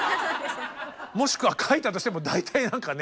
もしくは書いたとしても大体何かね